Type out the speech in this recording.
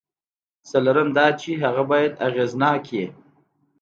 څلورم دا چې هغه باید اغېزناک وي.